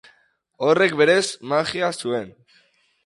Horrek, berez, magia zuen.